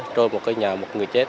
trôi một cái nhà một người chết